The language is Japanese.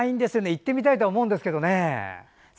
行ってみたいとは思うんですけどね。